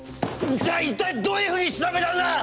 じゃあ一体どういうふうに調べたんだ！